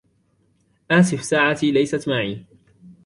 آسف ساعتي ليست معي.